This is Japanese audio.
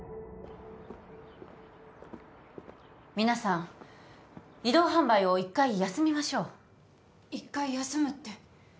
皆さん移動販売を一回休みましょう一回休むって？